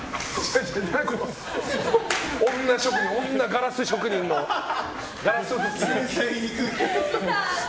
女ガラス職人のガラス吹きの。